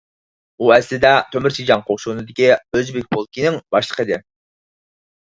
ئۇ ئەسلىدە تۆمۈر سىجاڭ قوشۇنىدىكى ئۆزبېك پولكىنىڭ باشلىقى ئىدى.